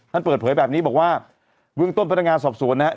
เปิดเผยแบบนี้บอกว่าเบื้องต้นพนักงานสอบสวนนะฮะ